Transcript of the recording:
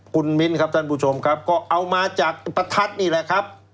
คุณมิ้นครับท่านผู้ชมครับก็เอามาจากประทัดนี่แหละครับ